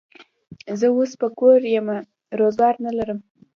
زه اوس په کور یمه، روزګار نه لرم.